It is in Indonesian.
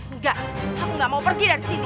enggak aku nggak mau pergi dari sini